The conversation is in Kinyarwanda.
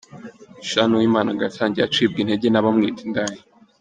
Jane Uwimana ngo yatangiye acibwa intege n’abamwita indaya.